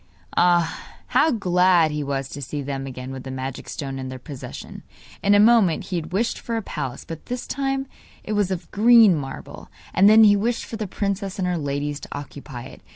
Ah, how glad he was to see them again with the magic stone in their possession. In a moment he had wished for a palace, but this time it was of green marble; and then he wished for the princess and her ladies to occupy it.